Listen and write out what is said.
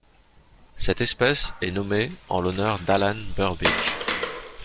Cette espèce est nommée en l'honneur d'Allan Burbidge.